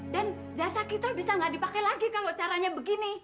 jasa kita bisa nggak dipakai lagi kalau caranya begini